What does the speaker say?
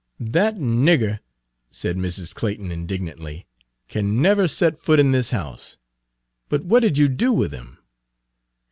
"That nigger," said Mrs. Clayton indignantly, "can never set foot in this house. But what did you do with him?"